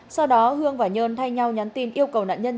sau đó hương và nhơn thay nhau nhắn tin yêu cầu nạn nhân